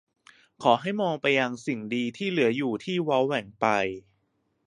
ขอให้มองไปยังสิ่งดีที่เหลืออยู่ที่เว้าแหว่งไป